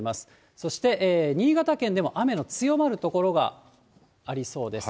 そして新潟県でも雨の強まる所がありそうです。